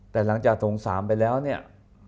แต่หลังจากโถง๓ไปแล้วเนี่ย